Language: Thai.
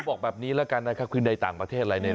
บอกแบบนี้แล้วกันนะครับคือในต่างประเทศอะไรเนี่ย